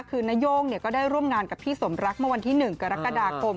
คือนาย่งก็ได้ร่วมงานกับพี่สมรักเมื่อวันที่๑กรกฎาคม